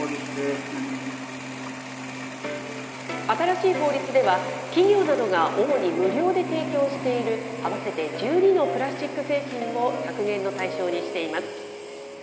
新しい法律では、企業などが主に無料で提供している合わせて１２のプラスチック製品を削減の対象にしています。